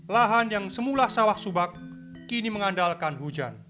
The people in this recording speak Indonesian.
lahan yang semula sawah subak kini mengandalkan hujan